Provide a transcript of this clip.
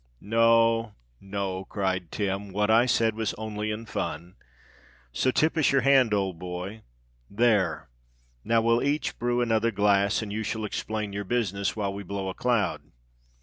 "No—no," cried Tim. "What I said was only in fun. So tip us your hand, old boy. There! Now we'll each brew another glass—and you shall explain your business, while we blow a cloud."